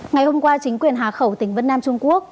ngày hôm qua chính quyền hà khẩu tỉnh vân nam trung quốc